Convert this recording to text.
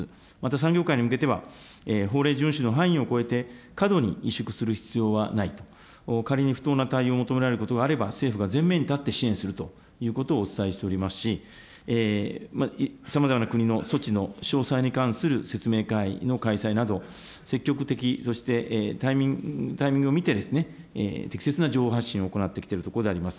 また産業界に向けては、法令順守の範囲を超えて、過度に萎縮する必要はないと、仮に不当な対応を求められることがあれば、政府が前面に立って支援をするということをお伝えしておりますし、さまざまな国の措置の詳細に関する説明会の開催など、積極的、そしてタイミングを見てですね、適切な情報発信を行ってきているところでございます。